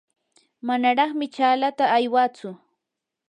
manaraqmi chaalata aywatsu.